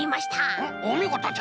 うんおみごとじゃ。